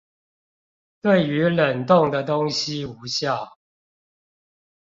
對於冷凍的東西無效